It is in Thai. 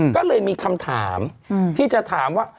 ก็เลยมีคำถามที่จะถามว่า